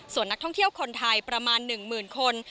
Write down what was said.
ส่วนนักท่องเที่ยวคนไทยประมาณ๑๐๐๐คน